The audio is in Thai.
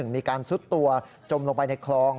มีการซุดตัวจมลงไปในคลอง